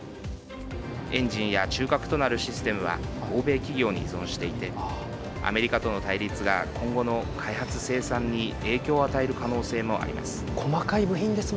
エンジンや中核となるシステムは欧米企業に依存していてアメリカとの対立が今後の開発生産に影響を与える可能性もあります。